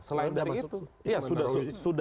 selain dari itu